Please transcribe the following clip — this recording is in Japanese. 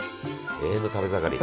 永遠の食べ盛り！